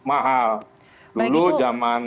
mahal dulu zaman